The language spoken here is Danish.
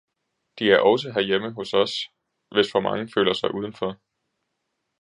De er også herhjemme hos os. Hvis for mange føler sig udenfor.